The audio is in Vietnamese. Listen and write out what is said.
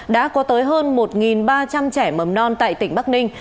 đã có tới hơn một ba trăm linh trẻ mầm non tại tỉnh bắc ninh